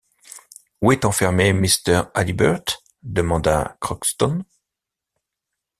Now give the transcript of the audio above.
Où est enfermé Mr. Halliburtt? demanda Crockston.